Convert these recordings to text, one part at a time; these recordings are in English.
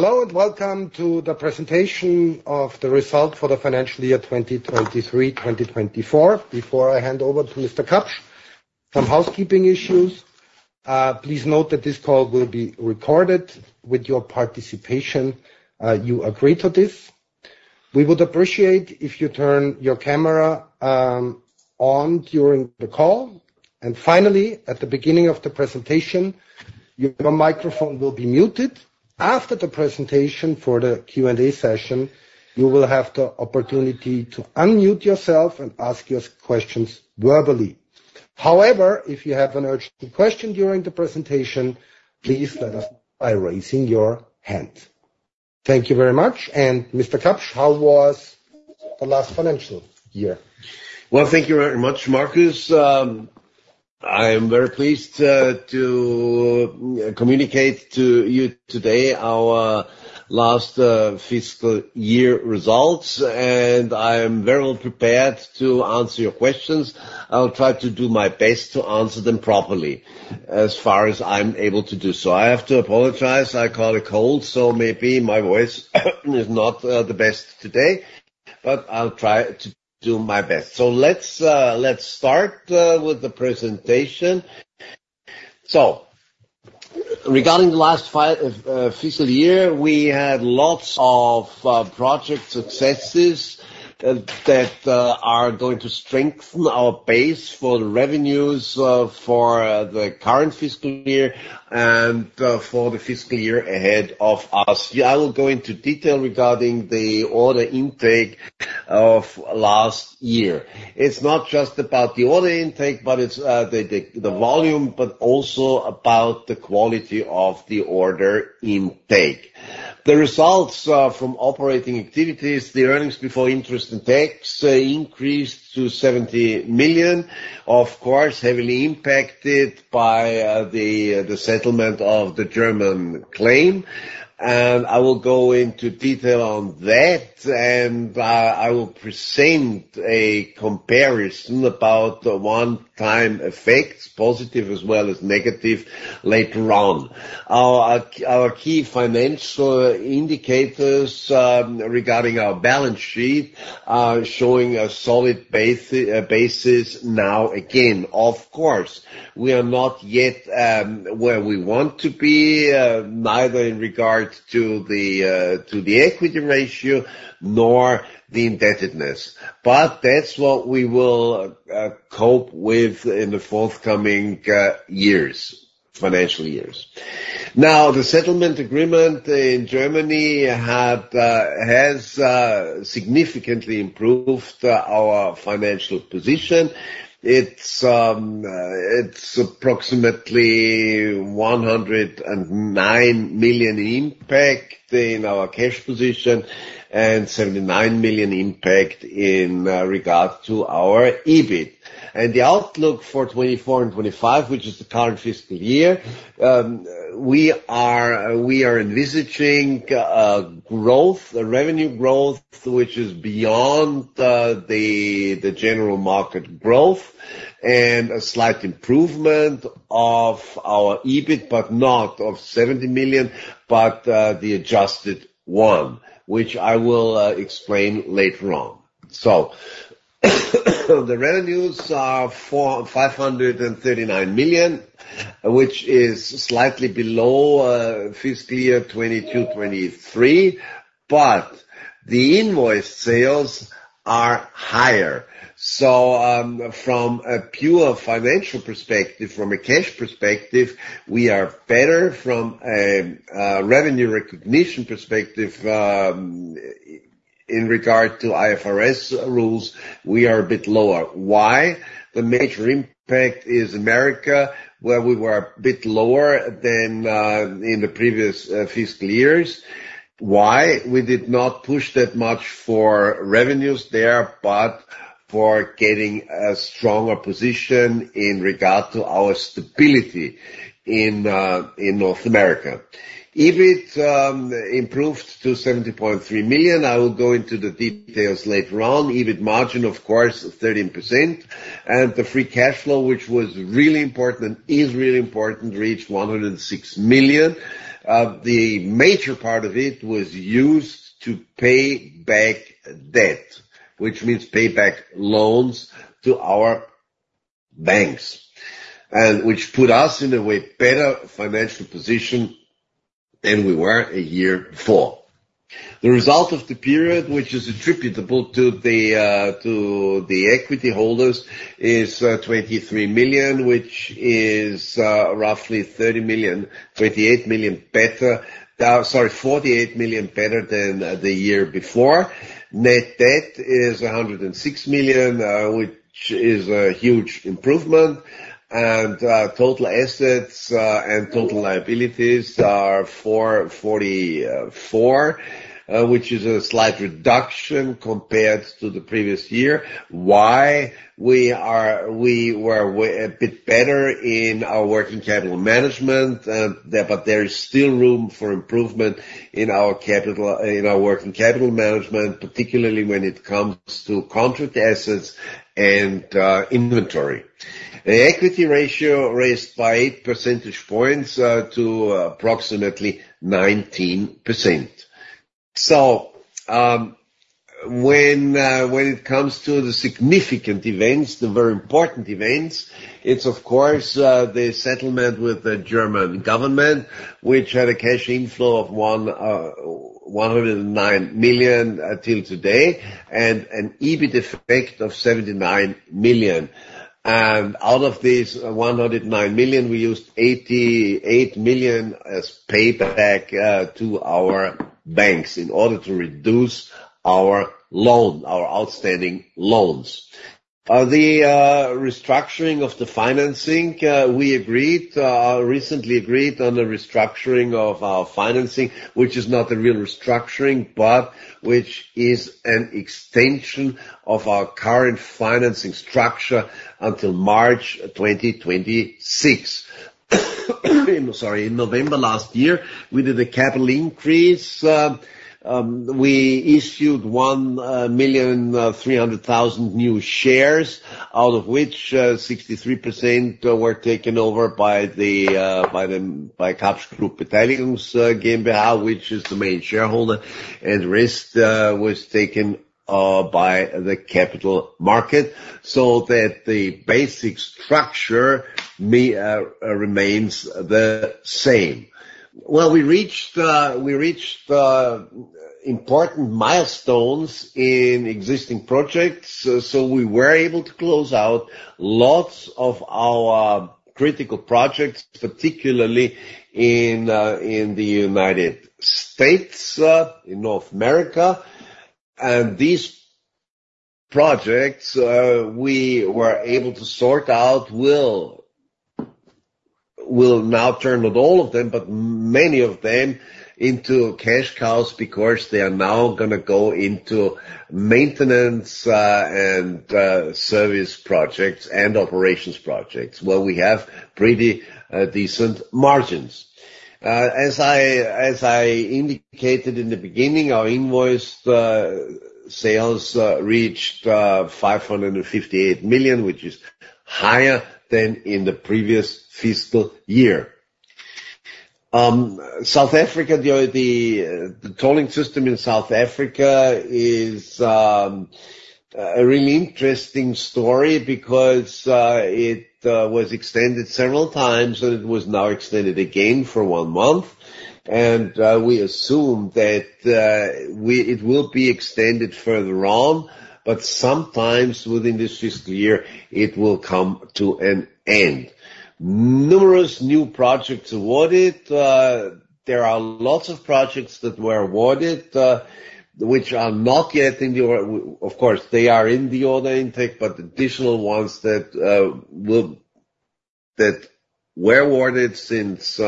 Hello, and welcome to the presentation of the result for the financial year 2023-2024. Before I hand over to Mr. Kapsch, some housekeeping issues. Please note that this call will be recorded. With your participation, you agree to this. We would appreciate if you turn your camera on during the call, and finally, at the beginning of the presentation, your microphone will be muted. After the presentation, for the Q&A session, you will have the opportunity to unmute yourself and ask your questions verbally. However, if you have an urgent question during the presentation, please let us know by raising your hand. Thank you very much. And Mr. Kapsch, how was the last financial year? Well, thank you very much, Marcus. I am very pleased to communicate to you today our last fiscal year results, and I am very well prepared to answer your questions. I will try to do my best to answer them properly as far as I'm able to do so. I have to apologize, I caught a cold, so maybe my voice is not the best today, but I'll try to do my best. So let's start with the presentation. So regarding the last fiscal year, we had lots of project successes that are going to strengthen our base for the revenues for the current fiscal year and for the fiscal year ahead of us. I will go into detail regarding the order intake of last year. It's not just about the order intake, but it's the volume, but also about the quality of the order intake. The results from operating activities, the earnings before interest and tax, increased to 70 million, of course, heavily impacted by the settlement of the German claim, and I will go into detail on that, and I will present a comparison about the one-time effects, positive as well as negative, later on. Our key financial indicators, regarding our balance sheet are showing a solid base, basis now again. Of course, we are not yet where we want to be, neither in regard to the equity ratio nor the indebtedness, but that's what we will cope with in the forthcoming years, financial years. Now, the settlement agreement in Germany has significantly improved our financial position. It's approximately 109 million impact in our cash position, and 79 million impact in regard to our EBIT. The outlook for 2024 and 2025, which is the current fiscal year, we are envisaging growth, a revenue growth, which is beyond the general market growth, and a slight improvement of our EBIT, but not of 70 million, but the adjusted one, which I will explain later on. The revenues are 439 million, which is slightly below fiscal year 2022, 2023, but the invoiced sales are higher. So, from a pure financial perspective, from a cash perspective, we are better from a revenue recognition perspective, in regard to IFRS rules, we are a bit lower. Why? The major impact is America, where we were a bit lower than in the previous fiscal years. Why? We did not push that much for revenues there, but for getting a stronger position in regard to our stability in North America. EBIT improved to 70.3 million. I will go into the details later on. EBIT margin, of course, 13%, and the free cash flow, which was really important, is really important, reached 106 million. The major part of it was used to pay back debt, which means pay back loans to our banks, and which put us in a way better financial position than we were a year before. The result of the period, which is attributable to the, to the equity holders, is, 23 million, which is, roughly 30 million, 28 million better. Sorry, 48 million better than the year before. Net debt is 106 million, which is a huge improvement, and, total assets, and total liabilities are 444 million, which is a slight reduction compared to the previous year. Why? We were a bit better in our working capital management, but there is still room for improvement in our working capital management, particularly when it comes to contract assets and, inventory. The equity ratio raised by eight percentage points to approximately 19%. So, when it comes to the significant events, the very important events, it's of course the settlement with the German government, which had a cash inflow of 109 million till today, and an EBIT effect of 79 million. And out of this 109 million, we used 88 million as payback to our banks in order to reduce our loan, our outstanding loans. The restructuring of the financing, we recently agreed on the restructuring of our financing, which is not a real restructuring, but which is an extension of our current financing structure until March 2026. Sorry. In November last year, we did a capital increase. We issued 1,300,000 new shares, out of which 63% were taken over by the KAPSCH-Group Beteiligungs GmbH, which is the main shareholder, and the rest was taken by the capital market, so that the basic structure remains the same. Well, we reached important milestones in existing projects, so we were able to close out lots of our critical projects, particularly in the United States, in North America. And these projects we were able to sort out will now turn not all of them, but many of them into cash cows, because they are now gonna go into maintenance and service projects and operations projects, where we have pretty decent margins. As I indicated in the beginning, our invoiced sales reached 558 million, which is higher than in the previous fiscal year. South Africa, the tolling system in South Africa is a really interesting story because it was extended several times, and it was now extended again for one month. We assume that it will be extended further on, but sometime within this fiscal year it will come to an end. Numerous new projects awarded. There are lots of projects that were awarded, which are not yet in the order intake, of course, but additional ones that were awarded since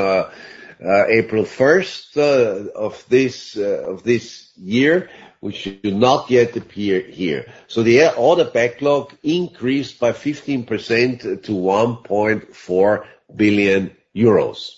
April first of this year, which do not yet appear here. So the order backlog increased by 15% to 1.4 billion euros.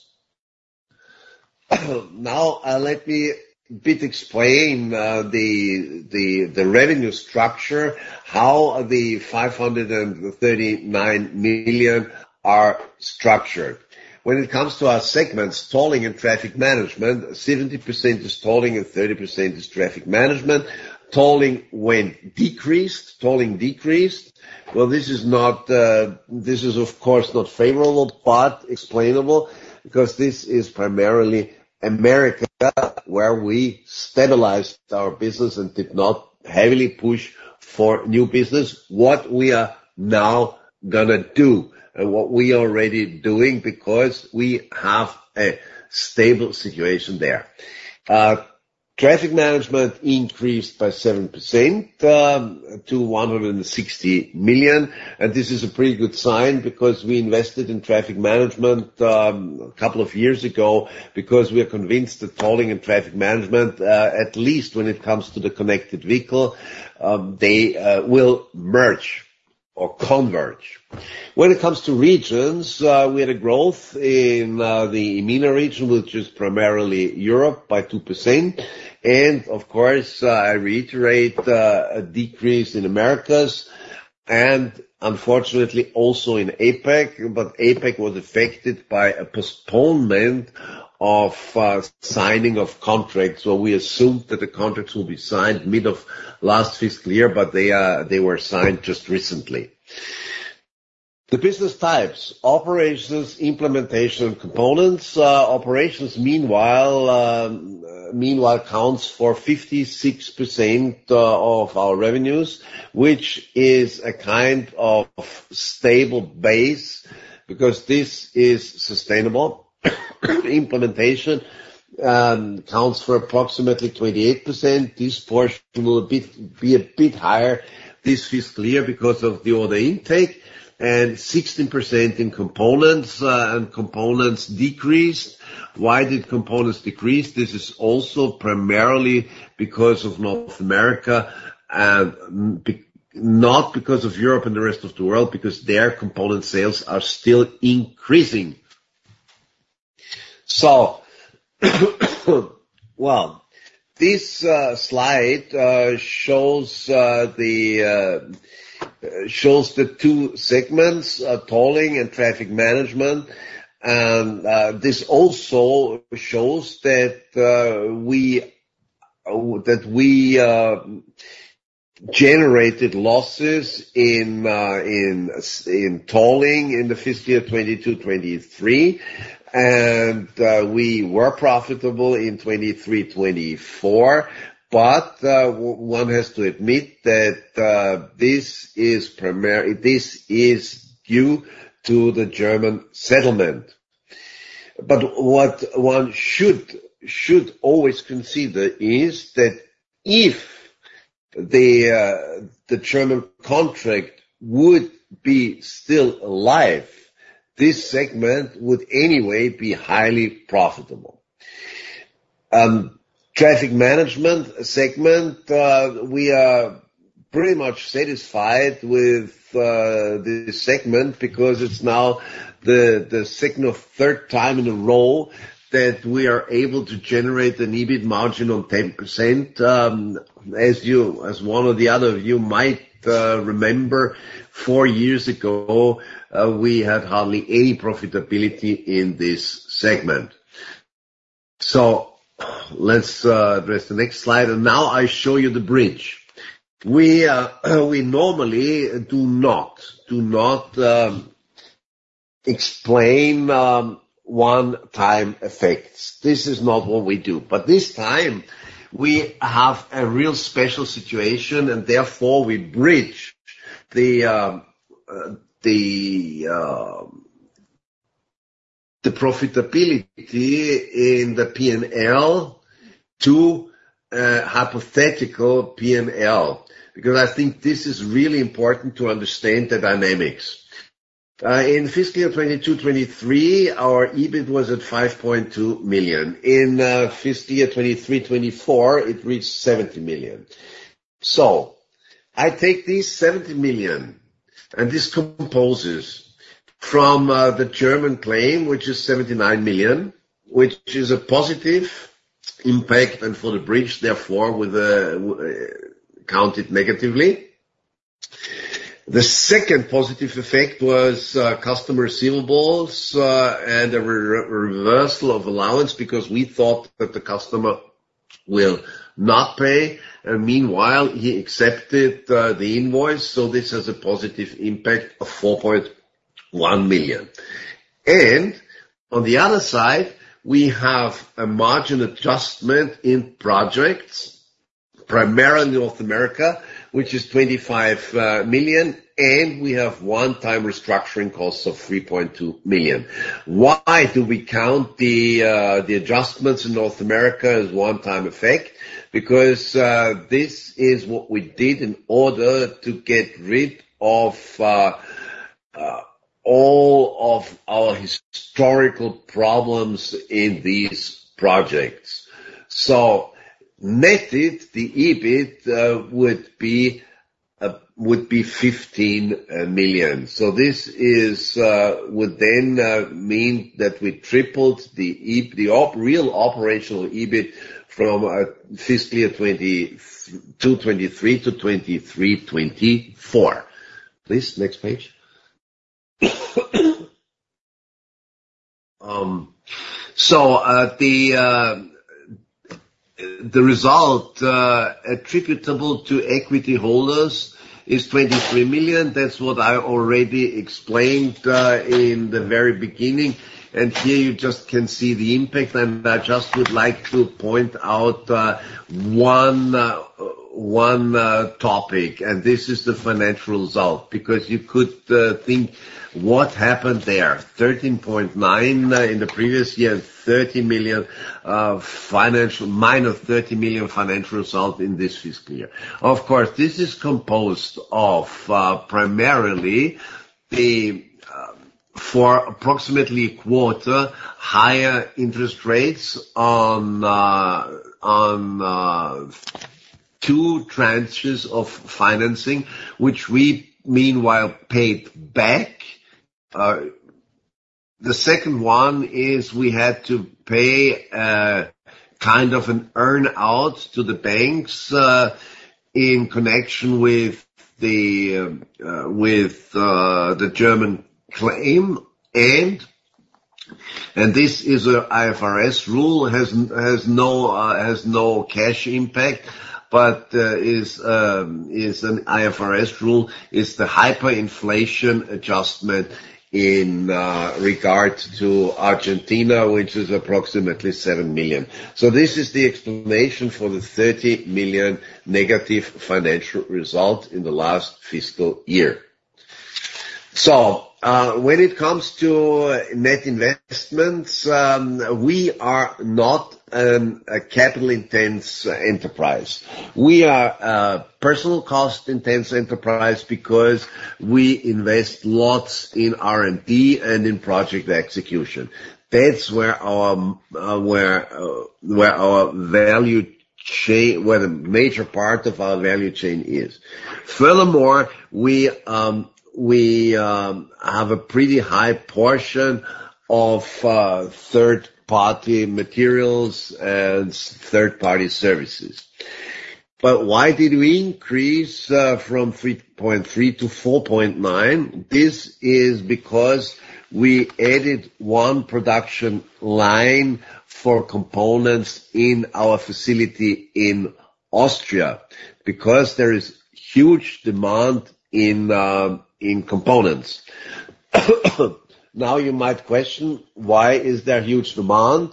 Now, let me bit explain the revenue structure, how the 539 million are structured. When it comes to our segments, tolling and traffic management, 70% is tolling and 30% is traffic management. Tolling went decreased. Tolling decreased. Well, this is not, this is of course not favorable, but explainable, because this is primarily America, where we stabilized our business and did not heavily push for new business. What we are now gonna do, and what we are already doing, because we have a stable situation there. Traffic management increased by 7% to 160 million, and this is a pretty good sign, because we invested in traffic management a couple of years ago, because we are convinced that tolling and traffic management, at least when it comes to the connected vehicle, they will merge or converge. When it comes to regions, we had a growth in the EMEA region, which is primarily Europe, by 2%. Of course, I reiterate, a decrease in Americas and unfortunately also in APAC. But APAC was affected by a postponement of signing of contracts, so we assumed that the contracts will be signed mid of last fiscal year, but they were signed just recently. The business types: operations, implementation, and components. Operations, meanwhile, accounts for 56% of our revenues, which is a kind of stable base, because this is sustainable. Implementation accounts for approximately 28%. This portion will be a bit higher this fiscal year because of the order intake, and 16% in components, and components decreased. Why did components decrease? This is also primarily because of North America, not because of Europe and the rest of the world, because their component sales are still increasing. So, well, this slide shows the two segments, tolling and traffic management. And this also shows that we generated losses in tolling in the fiscal year 2022-2023, and we were profitable in 2023-2024. But one has to admit that this is due to the German settlement. But what one should always consider is that if the German contract would be still alive, this segment would anyway be highly profitable. Traffic management segment, we are pretty much satisfied with the segment because it's now the second or third time in a row that we are able to generate an EBIT margin of 10%. As one or the other of you might remember, four years ago, we had hardly any profitability in this segment. So let's address the next slide, and now I show you the bridge. We normally do not explain one-time effects. This is not what we do, but this time we have a real special situation, and therefore, we bridge the profitability in the P&L to a hypothetical P&L, because I think this is really important to understand the dynamics. In fiscal 2022-2023, our EBIT was at 5.2 million. In fiscal year 2023-2024, it reached 70 million. So I take this 70 million, and this composes from the German claim, which is 79 million, which is a positive impact, and for the bridge, therefore, counted negatively. The second positive effect was customer receivables and a reversal of allowance because we thought that the customer will not pay, and meanwhile, he accepted the invoice, so this has a positive impact of 4.1 million. On the other side, we have a margin adjustment in projects, primarily North America, which is 25 million, and we have one-time restructuring costs of 3.2 million. Why do we count the adjustments in North America as one-time effect? Because, this is what we did in order to get rid of all of our historical problems in these projects. So netted, the EBIT would be 15 million. So this would then mean that we tripled the real operational EBIT from fiscal year 2022-2023 to 2023-2024. Please, next page. So, the result attributable to equity holders is 23 million. That's what I already explained in the very beginning, and here you just can see the impact. I just would like to point out one topic, and this is the financial result. Because you could think what happened there, 13.9 million in the previous year, 30 million, financial minus 30 million financial result in this fiscal year. Of course, this is composed of primarily the for approximately a quarter higher interest rates on on 2 tranches of financing, which we meanwhile paid back. The second one is we had to pay kind of an earn-out to the banks in connection with the with the German claim. And this is an IFRS rule, has no cash impact, but is an IFRS rule, is the hyperinflation adjustment in regard to Argentina, which is approximately 7 million. So this is the explanation for the 30 million negative financial result in the last fiscal year. So, when it comes to net investments, we are not a capital-intense enterprise. We are a personal cost-intense enterprise because we invest lots in R&D and in project execution. That's where the major part of our value chain is. Furthermore, we have a pretty high portion of third-party materials and third-party services. But why did we increase from 3.3 to 4.9? This is because we added one production line for components in our facility in Austria, because there is huge demand in components. Now, you might question, why is there huge demand?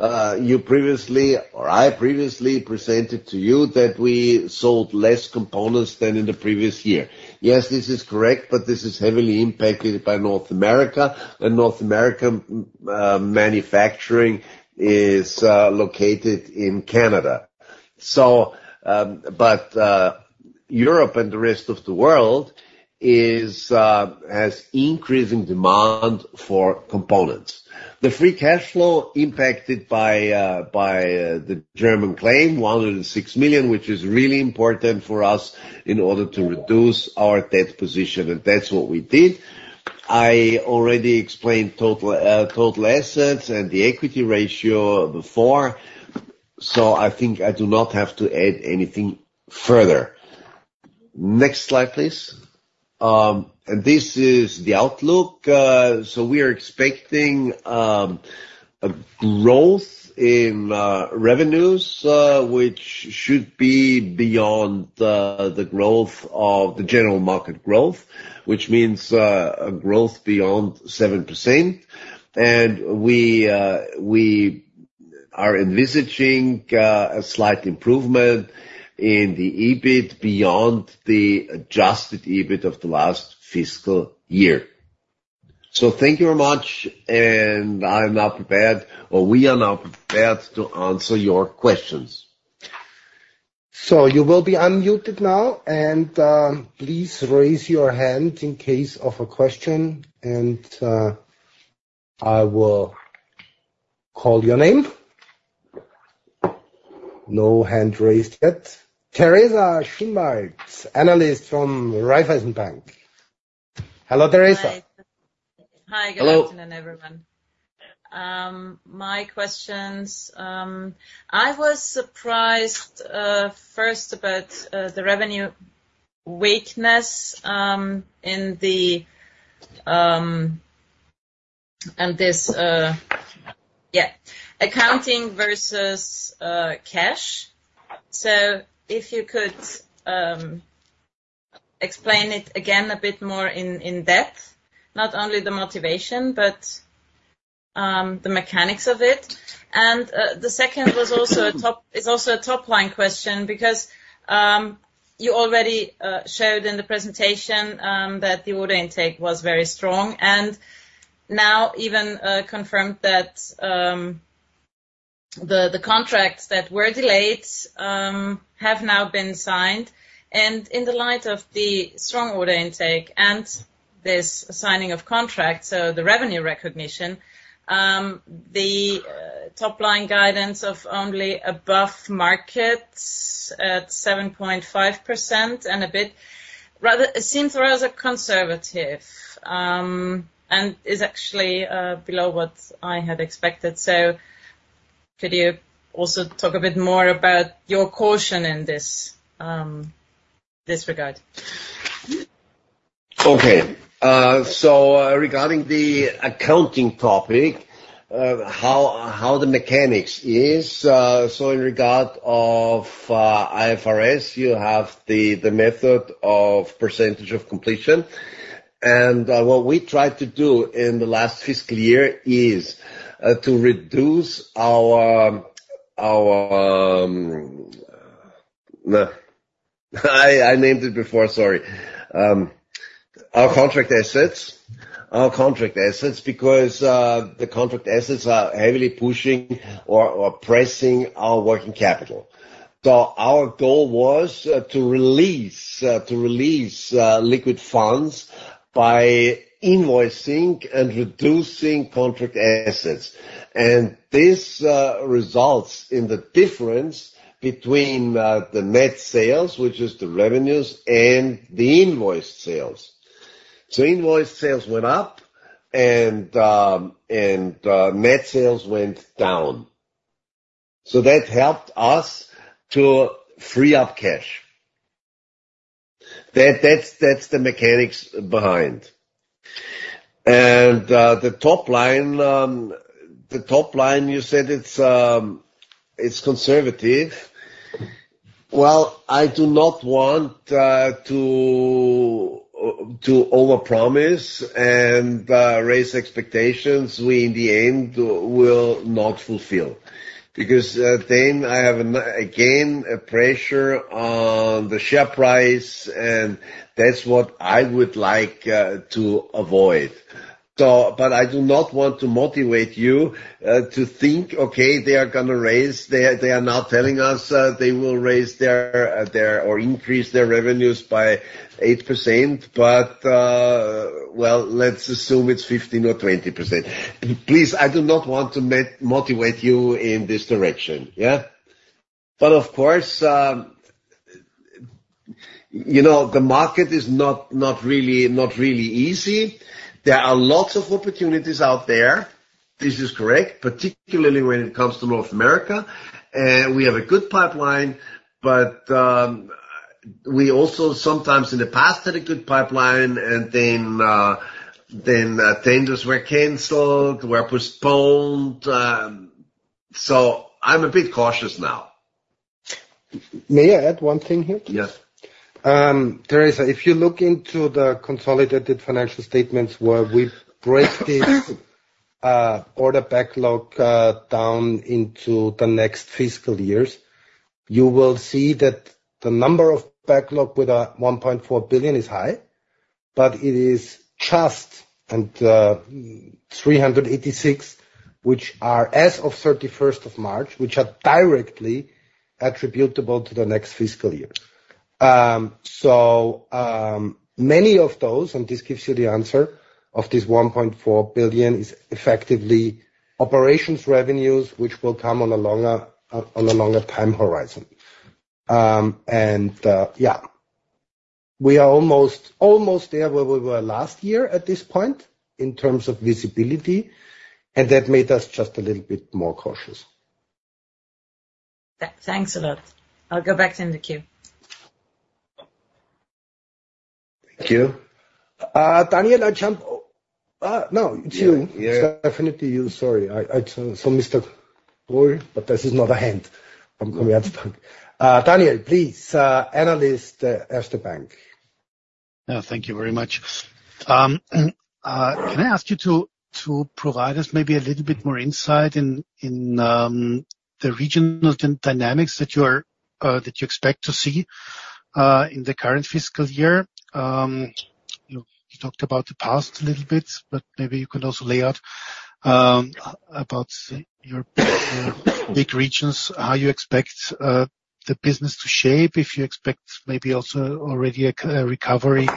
You previously or I previously presented to you that we sold less components than in the previous year. Yes, this is correct, but this is heavily impacted by North America, and North America manufacturing is located in Canada. So, but, Europe and the rest of the world is, has increasing demand for components. The free cash flow impacted by, by, the German claim, 106 million, which is really important for us in order to reduce our debt position, and that's what we did. I already explained total, total assets and the equity ratio before, so I think I do not have to add anything further. Next slide, please. And this is the outlook. So we are expecting, a growth in, revenues, which should be beyond the, the growth of... the general market growth, which means, a growth beyond 7%. And we, we are envisaging, a slight improvement in the EBIT beyond the adjusted EBIT of the last fiscal year. So thank you very much, and I am now prepared, or we are now prepared to answer your questions. So you will be unmuted now, and, please raise your hand in case of a question, and, I will call your name. No hand raised yet. Teresa Schinwald, analyst from Raiffeisen Bank. Hello, Teresa. Hi. Hello. Hi, good afternoon, everyone. My questions, I was surprised first about the revenue weakness in the and this, yeah, accounting versus cash. So if you could explain it again a bit more in depth, not only the motivation, but the mechanics of it. And the second was also a top, is also a top-line question, because you already showed in the presentation that the order intake was very strong, and now even confirmed that the contracts that were delayed have now been signed. And in the light of the strong order intake and this signing of contracts, so the revenue recognition, the top-line guidance of only above markets at 7.5% and a bit, rather, it seems rather conservative, and is actually below what I had expected. So could you also talk a bit more about your caution in this regard? Okay. So regarding the accounting topic, how the mechanics is, so in regard of IFRS, you have the method of percentage of completion. What we tried to do in the last fiscal year is to reduce our contract assets. I named it before, sorry. Our contract assets, because the contract assets are heavily pushing or pressing our working capital. So our goal was to release liquid funds by invoicing and reducing contract assets. And this results in the difference between the net sales, which is the revenues, and the invoiced sales. So invoiced sales went up, and net sales went down. So that helped us to free up cash. That's the mechanics behind. The top line, the top line, you said it's, it's conservative. Well, I do not want to overpromise and raise expectations we, in the end, will not fulfill. Because, then I have again a pressure on the share price, and that's what I would like to avoid. But I do not want to motivate you to think, "Okay, they are gonna raise... They are, they are now telling us, they will raise their, their or increase their revenues by 8%, but, well, let's assume it's 15% or 20%." Please, I do not want to motivate you in this direction, yeah? But of course... You know, the market is not, not really, not really easy. There are lots of opportunities out there. This is correct, particularly when it comes to North America, and we have a good pipeline, but we also sometimes in the past had a good pipeline, and then tenders were canceled, were postponed, so I'm a bit cautious now. May I add one thing here? Yes. Teresa, if you look into the consolidated financial statements where we break this order backlog down into the next fiscal years, you will see that the number of backlog with 1.4 billion is high, but it is just 386, which are as of 31st of March, which are directly attributable to the next fiscal year. So, many of those, and this gives you the answer, of this 1.4 billion is effectively operations revenues, which will come on a longer, on a longer time horizon. And, yeah, we are almost, almost there where we were last year at this point in terms of visibility, and that made us just a little bit more cautious. Thanks a lot. I'll go back in the queue. Thank you. Daniel, no, it's you. Yeah. It's definitely you. Sorry, I saw Mr. Troy, but this is not a hand from Commerzbank. Daniel, please, analyst, Erste Bank. Thank you very much. Can I ask you to provide us maybe a little bit more insight in the regional dynamics that you expect to see in the current fiscal year? You know, you talked about the past a little bit, but maybe you could also lay out about your big regions, how you expect the business to shape, if you expect maybe also already a recovery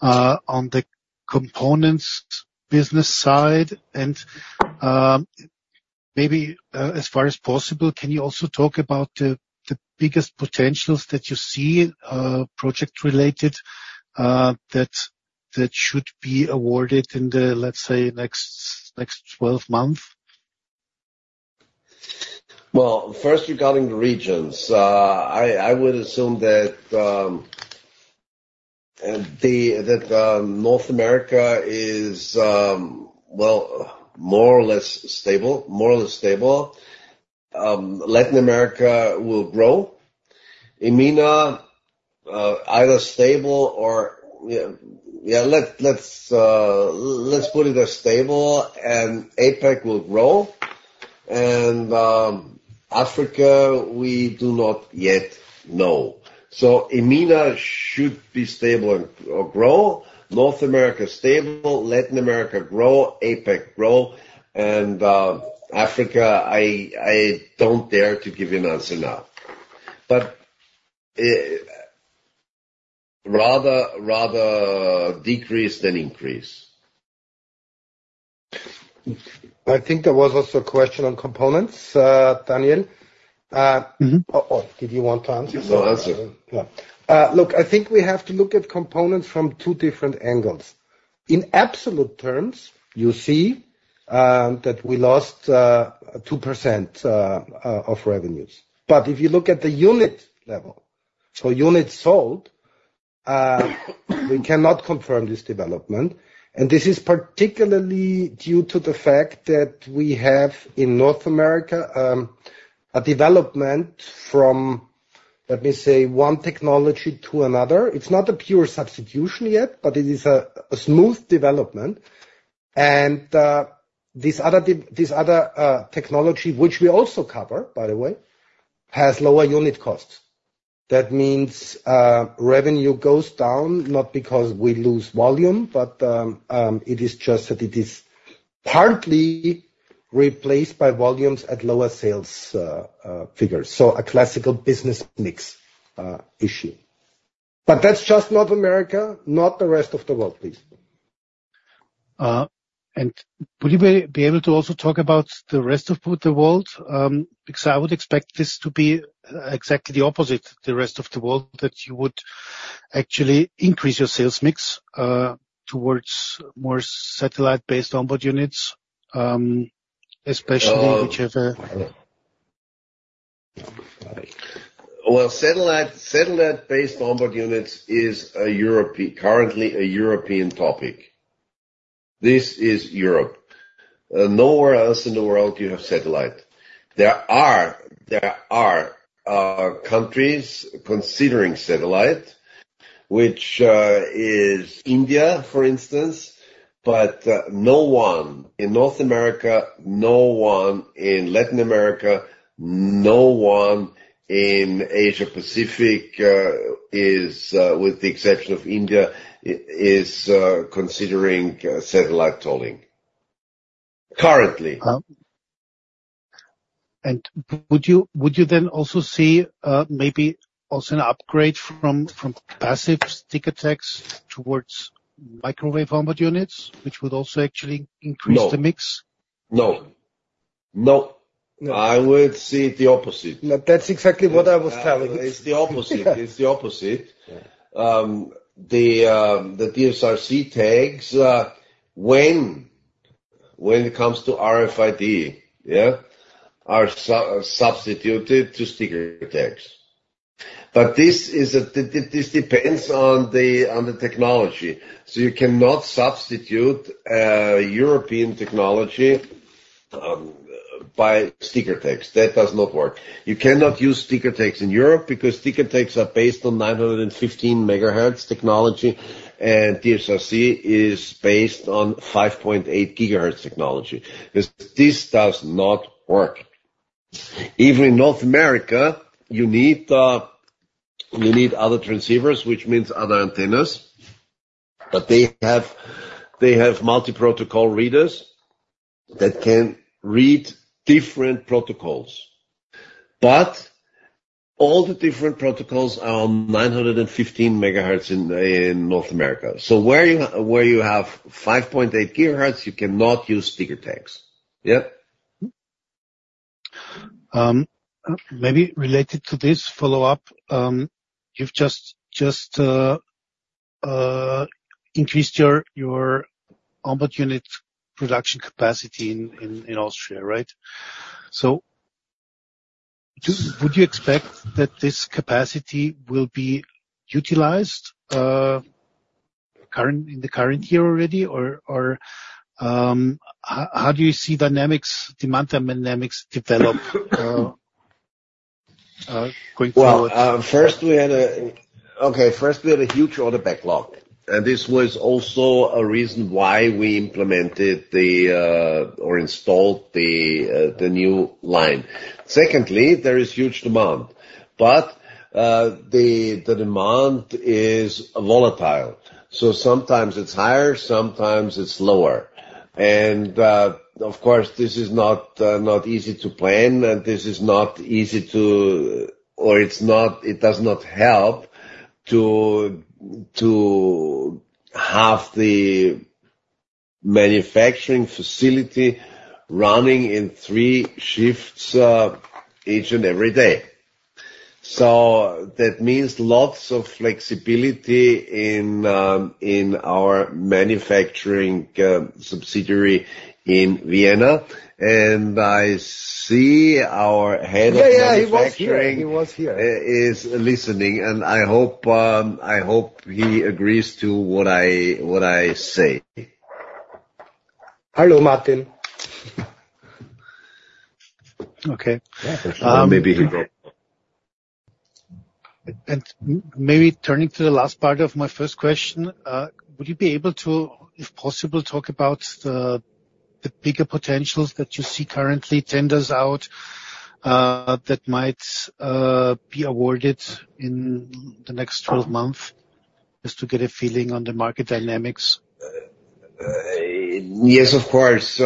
on the components business side? And maybe, as far as possible, can you also talk about the biggest potentials that you see, project related, that should be awarded in the, let's say, next 12 months? Well, first, regarding the regions, I would assume that North America is well, more or less stable. More or less stable. Latin America will grow. EMEA, either stable or, let's put it as stable, and APAC will grow. And, Africa, we do not yet know. So EMEA should be stable and, or grow. North America, stable. Latin America, grow. APAC, grow. And, Africa, I don't dare to give you an answer now. But, rather decrease than increase. I think there was also a question on components, Daniel. Mm-hmm. Did you want to answer? I'll answer. Yeah. Look, I think we have to look at components from two different angles. In absolute terms, you see, that we lost 2% of revenues. But if you look at the unit level or units sold, we cannot confirm this development, and this is particularly due to the fact that we have, in North America, a development from, let me say, one technology to another. It's not a pure substitution yet, but it is a smooth development. And this other technology, which we also cover, by the way, has lower unit costs. That means, revenue goes down, not because we lose volume, but it is just that it is partly replaced by volumes at lower sales figures. So a classical business mix issue. But that's just North America, not the rest of the world, please. And will you be able to also talk about the rest of the world? Because I would expect this to be exactly the opposite, the rest of the world, that you would actually increase your sales mix towards more satellite-based on-board units, especially whichever- Well, satellite-based on-board units is currently a European topic. This is Europe. Nowhere else in the world you have satellite. There are countries considering satellite, which is India, for instance, but no one in North America, no one in Latin America, no one in Asia-Pacific is, with the exception of India, considering satellite tolling. Currently. And would you, would you then also see maybe also an upgrade from passive sticker tags towards microwave on-board units, which would also actually increase- No. -the mix? No... No, I would see the opposite. No, that's exactly what I was telling you. It's the opposite. It's the opposite. The DSRC tags, when it comes to RFID, yeah, are substituted to sticker tags. But this is a—this depends on the technology. So you cannot substitute European technology by sticker tags. That does not work. You cannot use sticker tags in Europe, because sticker tags are based on 915 MHz technology, and DSRC is based on 5.8 GHz technology. This does not work. Even in North America, you need other transceivers, which means other antennas. But they have multi-protocol readers that can read different protocols. But all the different protocols are on 915 MHz in North America. So where you have 5.8 GHz, you cannot use sticker tags. Yeah? Maybe related to this follow-up, you've just increased your on-board unit production capacity in Austria, right? So would you expect that this capacity will be utilized in the current year already? Or, how do you see dynamics, demand and dynamics develop going forward? Well, first, we had a huge order backlog, and this was also a reason why we implemented the, or installed the, the new line. Secondly, there is huge demand, but, the demand is volatile. So sometimes it's higher, sometimes it's lower. And, of course, this is not easy to plan, and this is not easy, or it's not- it does not help to have the manufacturing facility running in three shifts, each and every day. So that means lots of flexibility in our manufacturing subsidiary in Vienna. And I see our head of manufacturing- Yeah, yeah, he was here, he was here.... is listening, and I hope he agrees to what I say. Hello, Martin. Okay. Yeah, maybe he go. Maybe turning to the last part of my first question, would you be able to, if possible, talk about the bigger potentials that you see currently tenders out that might be awarded in the next 12 months? Just to get a feeling on the market dynamics. Yes, of course.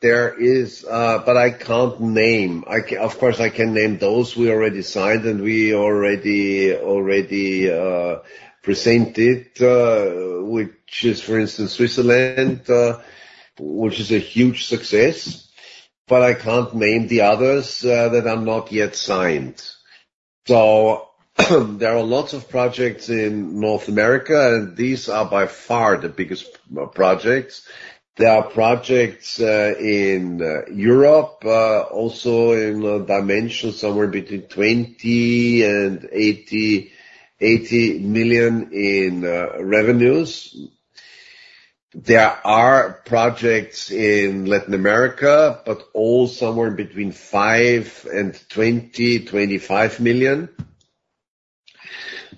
There is, but I can't name. Of course, I can name those we already signed, and we already presented, which is, for instance, Switzerland, which is a huge success, but I can't name the others that are not yet signed. So there are lots of projects in North America, and these are by far the biggest projects. There are projects in Europe, also in dimensions, somewhere between 20 million and 80 million in revenues. There are projects in Latin America, but all somewhere between 5 million and 25 million.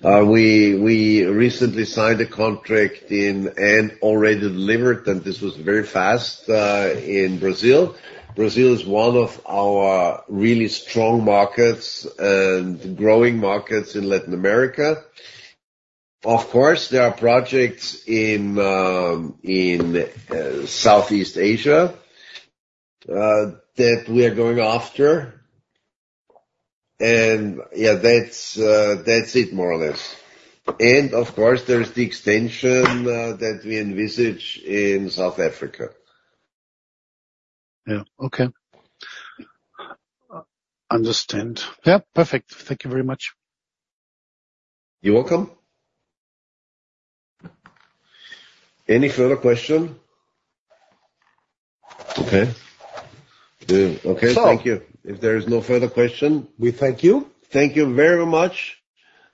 We recently signed a contract in, and already delivered, and this was very fast, in Brazil. Brazil is one of our really strong markets and growing markets in Latin America. Of course, there are projects in Southeast Asia that we are going after. And, yeah, that's it, more or less. And of course, there is the extension that we envisage in South Africa. Yeah, okay. Understand. Yeah, perfect. Thank you very much. You're welcome. Any further question? Okay. Yeah, okay. So- Thank you. If there is no further question? We thank you. Thank you very much.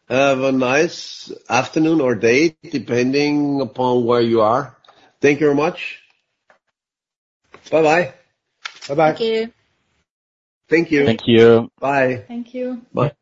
Have a nice afternoon or day, depending upon where you are. Thank you very much. Bye-bye. Bye-bye. Thank you. Thank you. Thank you. Bye. Thank you. Bye.